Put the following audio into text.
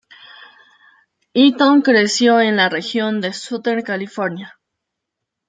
Eaton creció en la región de Southern California.